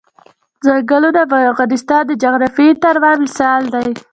چنګلونه د افغانستان د جغرافیوي تنوع مثال دی.